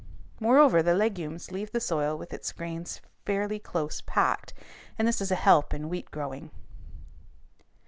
Moreover, the legumes leave the soil with its grains fairly close packed, and this is a help in wheat growing.